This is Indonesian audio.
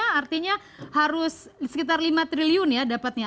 kalau separuhnya artinya harus sekitar lima triliun ya dapatnya